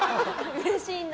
うれしいんだ。